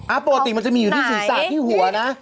อ่าปกติมันจะมีอยู่ที่สินศักดิ์ที่หัวนะ